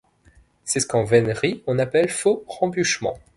C’est ce qu’en vénerie on appelle faux rembuchement.